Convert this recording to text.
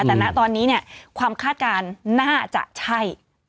แต่ณตอนนี้เนี่ยความคาดการณ์น่าจะใช่